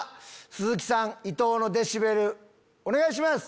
鈴木さん伊東のデシベルお願いします。